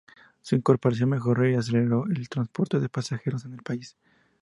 Su incorporación mejoró y aceleró el transporte de pasajeros en el país.